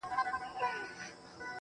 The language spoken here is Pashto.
هېره مي يې.